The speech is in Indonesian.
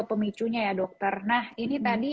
pemicunya ya dokter nah ini tadi